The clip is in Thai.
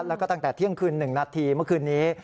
แล้วก็ตั้งแต่เที่ยงคืน๑นาทีเมื่อคืนนี้